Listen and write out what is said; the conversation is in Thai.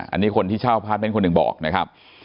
อันนี้คนที่ชาวพรรดิเป็นคนหนึ่งบอกนะครับ